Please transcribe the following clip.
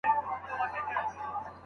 آيا د مطالعې نسل په ټولنه کي فعال دی؟